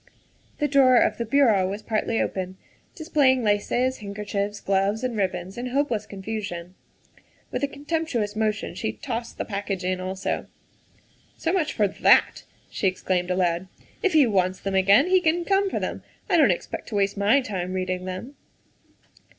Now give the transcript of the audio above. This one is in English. The drawer of the bureau was partly open, displaying laces, handkerchiefs, gloves, and ribbons in hopeless con fusion. With a contemptuous motion she tossed the package in also. " So much for that," she exclaimed aloud. " If he wants them again, he can come for them. I don 't expect to waste my time reading them."